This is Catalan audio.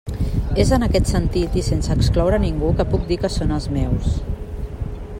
És en aquest sentit, i sense excloure a ningú, que puc dir que són els meus.